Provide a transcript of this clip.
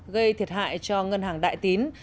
gây thiệt hại cho ngân hàng đại tín